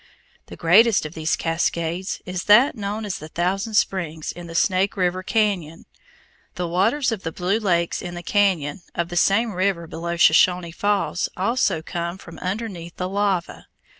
The greatest of these cascades is that known as the Thousand Springs in the Snake River cañon. The waters of the Blue Lakes in the cañon of the same river below Shoshone Falls also come from underneath the lava.